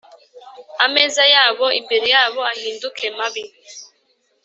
Ameza yabo imbere yabo ahinduke mabi